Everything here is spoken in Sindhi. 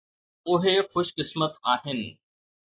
اهي خوش قسمت آهن.